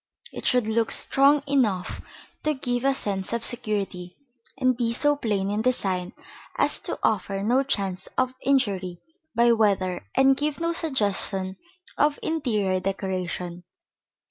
It should look strong enough to give a sense of security, and be so plain in design as to offer no chance of injury by weather and give no suggestion of interior decoration.